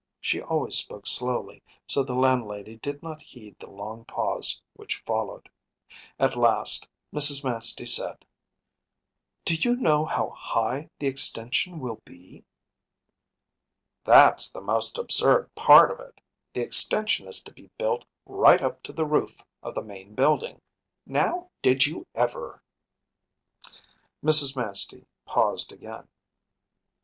She always spoke slowly, so the landlady did not heed the long pause which followed. At last Mrs. Manstey said: “Do you know how high the extension will be?‚ÄĚ “That’s the most absurd part of it. The extension is to be built right up to the roof of the main building; now, did you ever?‚ÄĚ Mrs. Manstey paused again.